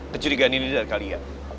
kecurigaan ini dari kalian